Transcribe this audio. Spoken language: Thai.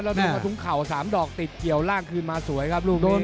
แล้วทุ่งเข่า๓ดอกติดเกี่ยวล่างขึ้นมาสวยครับลูกนี้